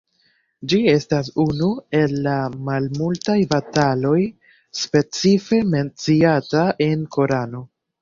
Ĝi estas unu el la malmultaj bataloj specife menciataj en Korano.